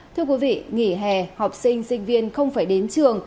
thưa quý vị nghỉ hè học sinh sinh viên không phải đến trường